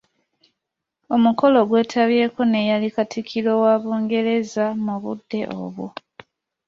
Omukolo gwetabwako n'eyali Katikkiro wa Bungereza mu budde obwo.